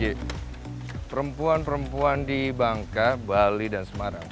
perempuan perempuan di bangka bali dan semarang